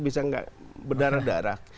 bisa gak berdarah darah